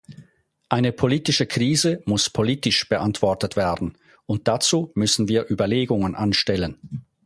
Eine politische Krise muss politisch beantwortet werden, und dazu müssen wir Überlegungen anstellen.